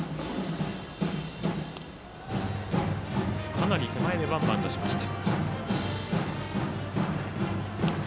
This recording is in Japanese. かなり手前でワンバウンドしました。